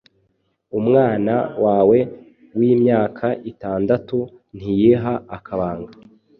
umwana wawe w’imyaka itandatu ntiyiha akabanga